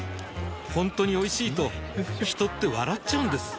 ほんとにおいしいと人って笑っちゃうんです